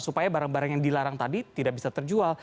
supaya barang barang yang dilarang tadi tidak bisa terjual